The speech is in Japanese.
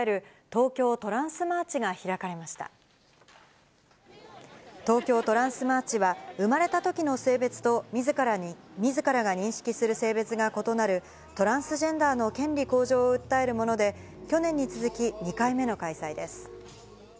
東京トランスマーチは、生まれたときの性別とみずからが認識する性別が異なる、トランスジェンダーの権利向上を訴えるもので、去年に続き、２回目の開催です。